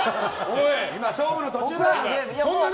今、勝負の途中だ！